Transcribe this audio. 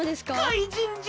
かいじんじゃ！